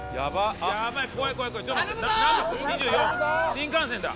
新幹線だ！